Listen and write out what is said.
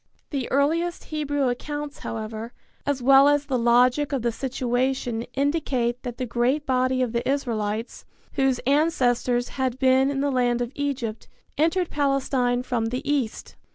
The earliest Hebrew accounts, however, as well as the logic of the situation indicate that the great body of the Israelites, whose ancestors had been in the land of Egypt, entered Palestine from the east.